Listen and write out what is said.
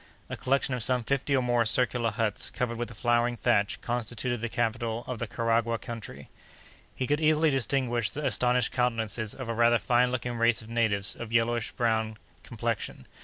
A collection of some fifty or more circular huts, covered with a flowering thatch, constituted the capital of the Karagwah country." He could easily distinguish the astonished countenances of a rather fine looking race of natives of yellowish brown complexion.